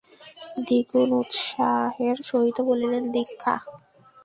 দ্বিগুণ উৎসাহের সহিত বলিলেন, দীক্ষা!